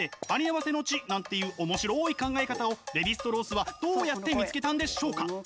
「ありあわせの知」なんていうおもしろい考え方をレヴィ＝ストロースはどうやって見つけたのでしょうか。